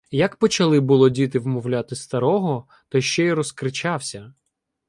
Як почали було діти вмовляти старого, то ще й розкричався: